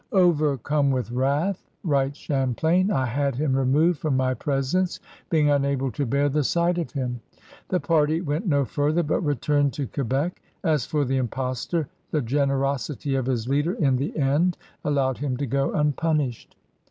'* Overcome with wrath/' writes Champlain, I had him removed from my pres ence, being unable to bear the sight of him. The party went no further, but returned to Que bec. As for the impostor, the generosity of his leader in the end allowed him to go unpunished.